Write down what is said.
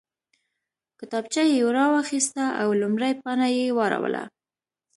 کتابچه یې راواخیسته او لومړۍ پاڼه یې واړوله